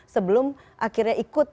sebelum akhirnya ikut